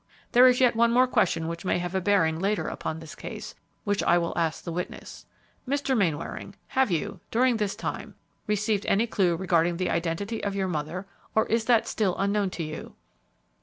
There is yet one more question which may have a bearing later upon this case, which I will ask the witness. Mr. Mainwaring, have you, during this time, received any clue regarding the identity of your mother, or is that still unknown to you?"